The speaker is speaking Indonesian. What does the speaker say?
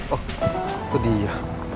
oh itu dia